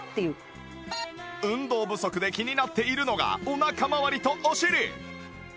運動不足で気になっているのがお腹まわりとお尻